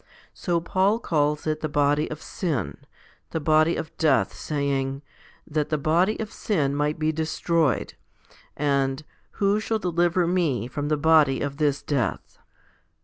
So Paul calls it the body of sin, the body of death, saying, that the body of sin might be destroyed* and, Who shall deliver me from the body of this death